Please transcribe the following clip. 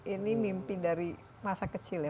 ini mimpi dari masa kecil ya